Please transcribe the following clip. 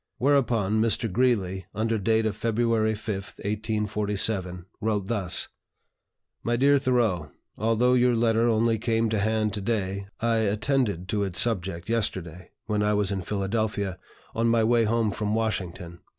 Whereupon Mr. Greeley, under date of February 5, 1847, wrote thus: "MY DEAR THOREAU, Although your letter only came to hand to day, I attended to its subject yesterday, when I was in Philadelphia, on my way home from Washington.